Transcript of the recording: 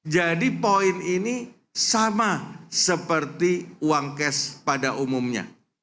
jadi point ini sama seperti uang cash pada umumnya